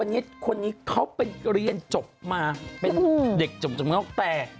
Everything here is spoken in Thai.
วันนี้คนนี้เขาเป็นเรียนจบมาเป็นเด็กจมยกแต่